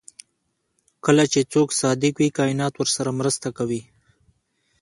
کله چې څوک صادق وي کائنات ورسره مرسته کوي.